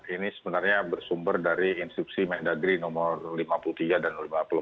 ini sebenarnya bersumber dari instruksi mendagri nomor lima puluh tiga dan lima puluh enam